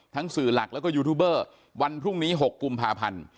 สื่อหลักแล้วก็ยูทูบเบอร์วันพรุ่งนี้๖กุมภาพันธ์